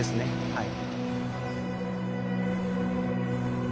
はい。